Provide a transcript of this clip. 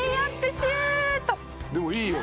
「でもいいよ」